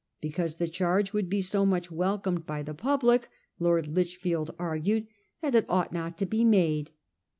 Because the change would be so much welcomed by the public, Lord Lichfield argued that it ought not to be made.